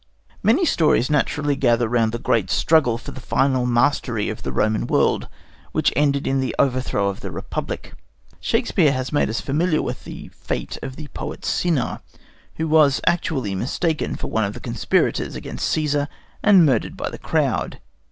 Many stories naturally gather round the great struggle for the final mastery of the Roman world which ended in the overthrow of the Republic. Shakespeare has made us familiar with the fate of the poet Cinna, who was actually mistaken for one of the conspirators against Cæsar and murdered by the crowd.